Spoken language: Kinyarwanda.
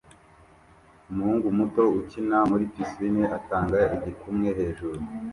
Umuhungu muto ukina muri pisine atanga igikumwe hejuru